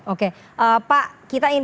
oke pak kita ingin